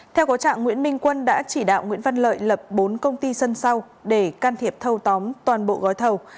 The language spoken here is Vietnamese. theo có trạng nguyễn minh quân đã chỉ đạo nguyễn văn lợi lập bốn công ty sân sau để can thiệp thâu tóm toàn bộ gói thầu